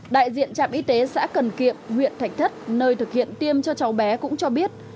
đại diện trạm y tế xã cần kiệm huyện thạch thất nơi thực hiện tiêm cho cháu bé cũng cho biết